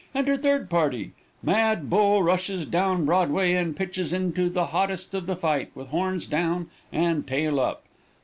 Enter third party. Mad bull rushes down Broadway and pitches into the hottest of the fight, with horns down and tail up.